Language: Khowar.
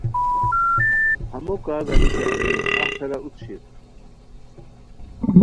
ہمو کا گانی کی الونی اف ہیرا اوڅ شیر